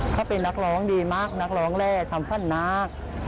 เขาเป็นนักร้องดีมากนักร้องแร่ทำฟันมาก